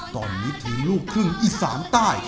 ตอนนี้ทีมลูกครึ่งอีสานใต้